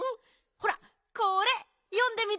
ほらこれよんでみて。